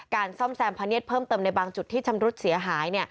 ซ่อมแซมพะเนียดเพิ่มเติมในบางจุดที่ชำรุดเสียหาย